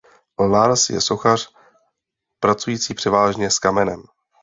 Lars je sochař pracující převážně s kamenem.